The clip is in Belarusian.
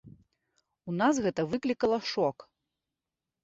У нас гэта выклікала шок.